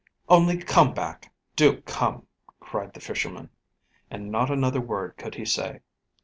"Only come back do come!" cried the Fisherman, and not another word could he say.